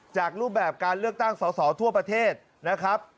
จากรูปแบบการเลือกตั้งสอสอทั่วประเทศนะครับ